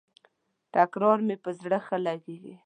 تکرار مي پر زړه ښه لګیږي.